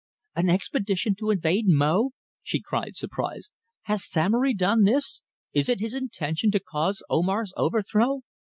"An expedition to invade Mo?" she cried surprised. "Hath Samory done this; is it his intention to cause Omar's overthrow?"